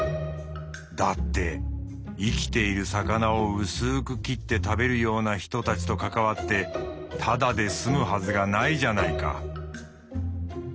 だって生きている魚をうすーく切って食べるような人たちと関わってただで済むはずがないじゃないか！